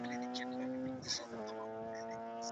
زه کولای سم ليکنه وکړم.